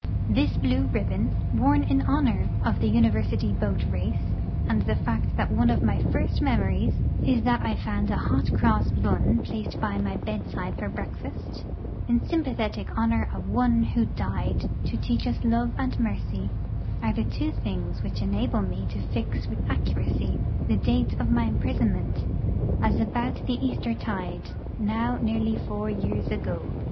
This blue ribbon, worn in honour of the University boat race, and the fact that one of my first memories is that I found a hot cross bun placed by my bedside for breakfast, in sympathetic honour of One who died to teach us love and mercy, are the two things which enable me to fix with accuracy the date of my imprisonment as about the Easter tide, now nearly four years ago.